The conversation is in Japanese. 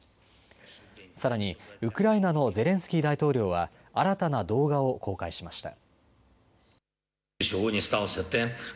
さらにウクライナのゼレンスキー大統領は新たな動画を公開しました。